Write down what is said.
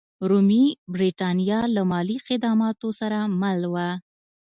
رومي برېټانیا له مالي خدماتو سره مل وه.